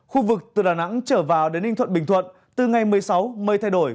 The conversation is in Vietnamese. khu vực từ đà nẵng trở vào đến ninh thuận bình thuận từ ngày một mươi sáu mây thay đổi